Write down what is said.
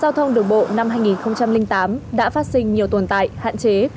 sau hơn một mươi ba năm thực hiện luật giao thông đường bộ năm hai nghìn tám đã phát sinh nhiều tồn tại hạn chế